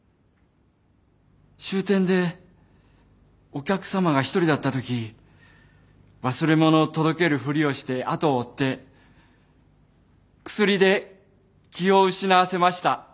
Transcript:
終点でお客さまが１人だったとき忘れ物を届けるふりをして後を追って薬で気を失わせました。